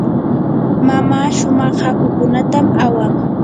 mamaa shumaq hakukunatam awan.